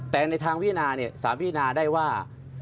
แต่ในทางวินาสามวีนาได้ว่า